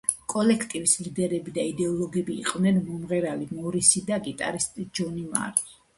კოლექტივის ლიდერები და იდეოლოგები იყვნენ მომღერალი მორისი და გიტარისტი ჯონი მარი.